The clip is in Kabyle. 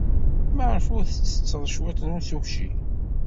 Maɣef ur tettetteḍ cwiṭ n usuci?